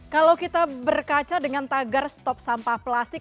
kalau kita berkaca dengan tagar stop sampah plastik